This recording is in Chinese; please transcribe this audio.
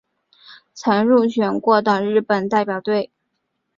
曾入选过的日本代表队。